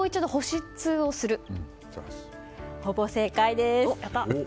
ほぼ正解です。